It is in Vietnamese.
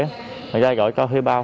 người ta gọi cho huy báo